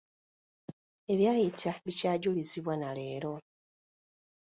Ebyayita bikyajulizibwa na leero.